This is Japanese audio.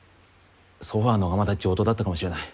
ソファのほうがまだ上等だったかもしれない。